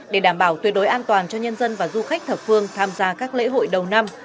để đảm bảo tuyệt đối an toàn cho nhân dân và du khách thập phương tham gia các lễ hội đầu năm